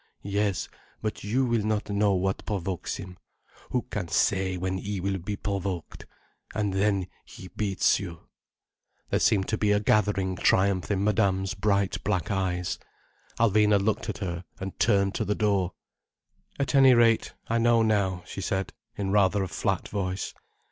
"Yes, but you will not know what provokes him. Who can say when he will be provoked? And then he beats you—" There seemed to be a gathering triumph in Madame's bright black eyes. Alvina looked at her, and turned to the door. "At any rate I know now," she said, in rather a flat voice.